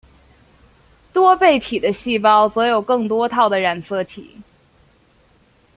多倍体的细胞则有更多套的染色体。